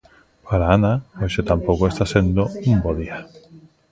Para Ana hoxe tampouco está sendo un bo día.